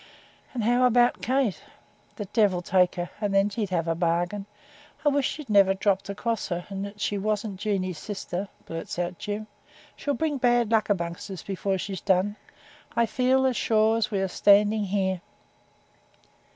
'And how about Kate?' 'The devil take her! and then he'd have a bargain. I wish you'd never dropped across her, and that she wasn't Jeanie's sister,' blurts out Jim. 'She'll bring bad luck among us before she's done, I feel, as sure as we're standing here.'